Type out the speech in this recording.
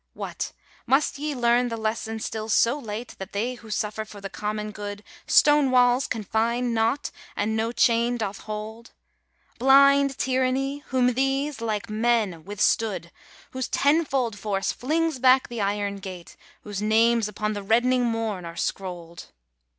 What! must ye learn the lesson still so late That they who suffer for the common good Stone walls confine not, and no chain doth hold, Blind Tyranny? Whom these, like men, withstood: Whose tenfold force flings back the iron gate, Whose names upon the reddening morn are scrolled.